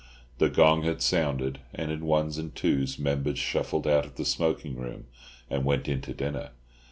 The gong had sounded, and in ones and twos members shuffled out of the smoking room, and went in to dinner.